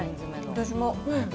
私も。